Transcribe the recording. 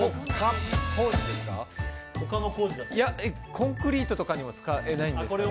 コンクリートとかには使えないんですかね。